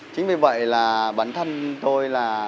chính vì vậy là bản thân tôi là